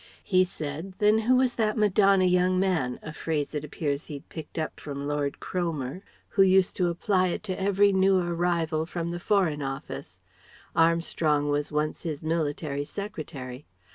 He said then who was that Madonna young man a phrase it appears he'd picked up from Lord Cromer, who used to apply it to every new arrival from the Foreign Office Armstrong was once his military secretary.